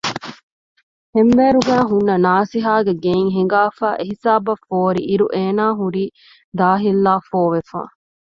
ހެންވޭރުގައި ހުންނަ ނާސިހާގެ ގެއިން ހިނގާފައި އެހިސާބަށް ފޯރިއިރު އޭނާ ހުރީ ދާހިއްލާފޯވެފަ